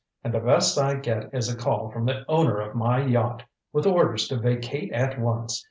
And the best I get is a call from the owner of my yacht, with orders to vacate at once.